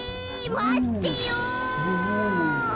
まってよ。